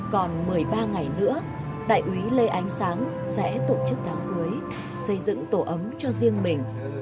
còn một mươi ba ngày nữa đại úy lê ánh sáng sẽ tổ chức đám cưới xây dựng tổ ấm cho riêng mình